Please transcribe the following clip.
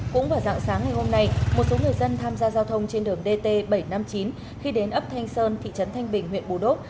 cũng vào dạng sáng ngày hôm nay một số người dân tham gia giao thông trên đường dt bảy trăm năm mươi chín khi đến ấp thanh sơn thị trấn thanh bình huyện bù đốc